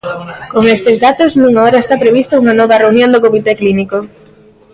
Con estes datos, nunha hora está prevista unha nova reunión do comité clínico.